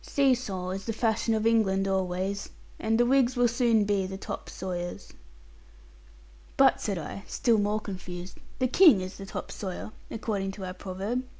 See saw is the fashion of England always; and the Whigs will soon be the top sawyers.' 'But,' said I, still more confused, '"The King is the top sawyer," according to our proverb.